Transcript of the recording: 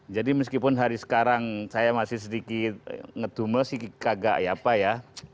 jadi meskipun hari sekarang saya masih sedikit ngedumel sedikit kagak apa ya